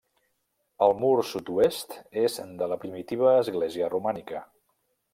El mur sud-oest és de la primitiva església romànica.